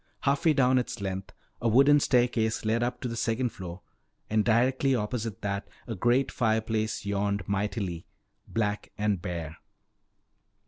Half way down its length a wooden staircase led up to the second floor, and directly opposite that a great fireplace yawned mightily, black and bare.